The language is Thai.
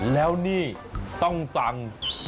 แล้วนี่ต้องสั่ง